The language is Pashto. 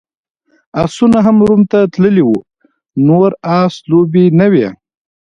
اسونه هم روم ته تللي وو، نور اس لوبې نه وې.